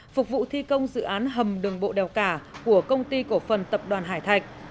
phục vụ thi công dự án hầm đường bộ đèo cả của công ty cổ phần tập đoàn hải thạch